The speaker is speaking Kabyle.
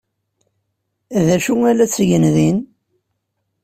D acu ay la ttgen din?